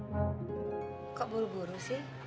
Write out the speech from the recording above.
reh kok buru buru sih